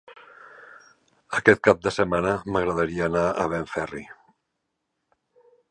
Aquest cap de setmana m'agradaria anar a Benferri.